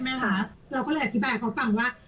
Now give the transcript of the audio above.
เราก็เลยอธิบายเขาฟังว่า